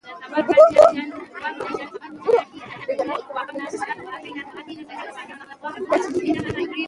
هغه سانسکریت له اروپايي ژبو سره مقایسه کړه.